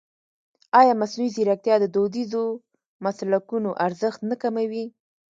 ایا مصنوعي ځیرکتیا د دودیزو مسلکونو ارزښت نه کموي؟